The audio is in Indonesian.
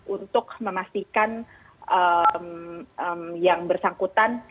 untuk memastikan yang bersangkutan